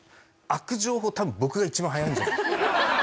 空く情報多分僕が一番早いんじゃ。